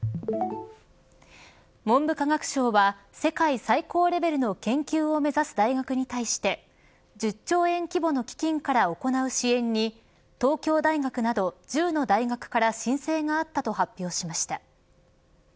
文部科学省は世界最高レベルの研究を目指す大学に対して１０兆円規模の基金から行う支援に東京大学など１０の大学から申請があったと発表しました。